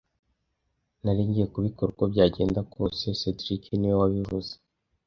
Nari ngiye kubikora uko byagenda kose cedric niwe wabivuze